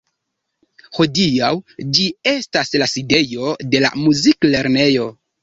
Hodiaŭ ĝi estas la sidejo de la Muziklernejo.